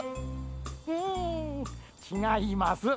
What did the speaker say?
ううんちがいます。